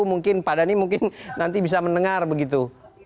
mungkin pak dhani mungkin nanti bisa mendengar begitu